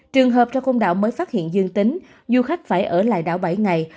trường hợp trong côn đảo mới phát hiện dương tính du khách phải ở lại đảo bảy ngày